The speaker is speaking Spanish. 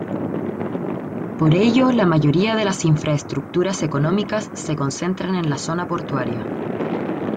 Por ello la mayoría de las infraestructuras económicas se concentran en la zona portuaria.